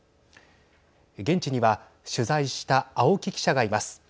現地には取材した青木記者がいます。